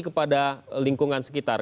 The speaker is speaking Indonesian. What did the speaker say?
kepada lingkungan sekitar